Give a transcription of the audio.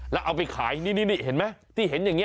แล้วเอาไปขายนี่เห็นไหมที่เห็นอย่างนี้